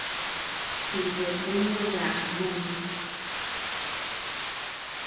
Tibid lï ñò daʼa núni.